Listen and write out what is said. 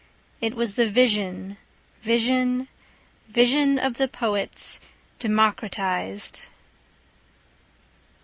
It was the vision, vision, vision of the poets Democratized!